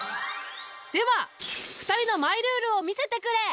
では２人のマイルールを見せてくれ。